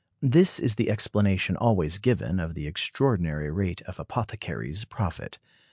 This is the explanation always given of the extraordinary rate of apothecaries' profit.